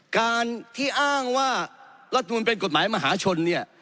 การที่อ้างว่ารัฐมนูลเป็นกฎหมายมหาชนเนี่ย